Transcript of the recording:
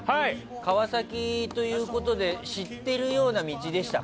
川崎ということで知ってるような道でしたか？